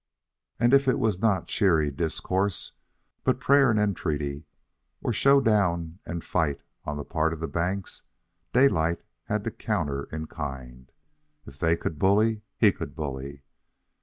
And if it was not cheery discourse, but prayer and entreaty or show down and fight on the part of the banks, Daylight had to counter in kind. If they could bully, he could bully.